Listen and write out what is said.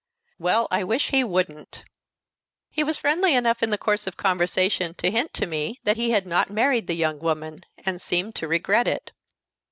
"Well, I wish he wouldn't!" "He was friendly enough in the course of conversation to hint to me that he had not married the young woman, and seemed to regret it."